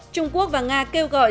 trung quốc và nga kêu gọi